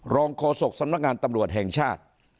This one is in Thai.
โฆษกสำนักงานตำรวจแห่งชาติ